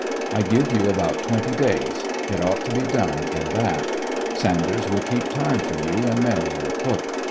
I give you about twenty days. It ought to be done in that. Sanders will keep time for you, and Merrill will cook.